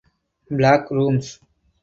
Black Rooms!